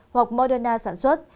hoặc moderna sản xuất